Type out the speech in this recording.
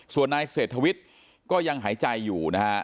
ส่วนนายเศรษฐวิทย์ก็ยังหายใจอยู่นะฮะ